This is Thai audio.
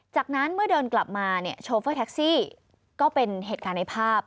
จากนั้นเมื่อเดินกลับมาเนี่ยโชเฟอร์แท็กซี่ก็เป็นเหตุการณ์ในภาพ